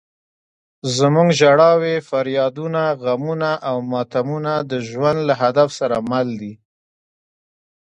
زموږ ژړاوې، فریادونه، غمونه او ماتمونه د ژوند له هدف سره مل دي.